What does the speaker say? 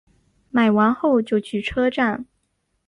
买完后就去车站